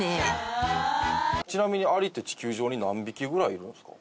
ちなみにアリって地球上に何匹ぐらいいるんですか？